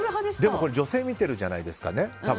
これ、女性が見てるじゃないですかね、多分。